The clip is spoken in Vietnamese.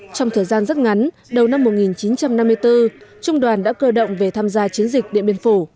trong thời gian rất ngắn đầu năm một nghìn chín trăm năm mươi bốn trung đoàn đã cơ động về tham gia chiến dịch điện biên phủ